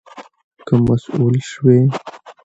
که مسؤول شوې